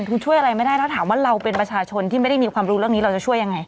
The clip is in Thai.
คือช่วยอะไรไม่ได้แล้วถามว่าเราเป็นประชาชนที่ไม่ได้มีความรู้เรื่องนี้เราจะช่วยยังไง